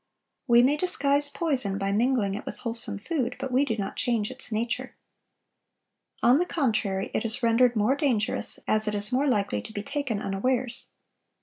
We may disguise poison by mingling it with wholesome food, but we do not change its nature. On the contrary, it is rendered more dangerous, as it is more likely to be taken unawares.